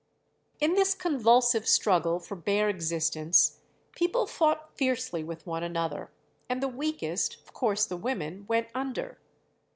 In this convulsive struggle for bare existence people fought fiercely with one another, and the weakest, of course the women, went under.